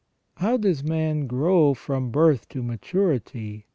How does man grow from birth to maturity